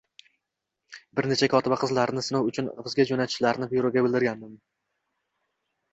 Bir necha kotiba qizlarni sinov uchun bizga jo`natishlarini byuroga bildirgandim